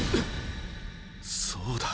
そうだ！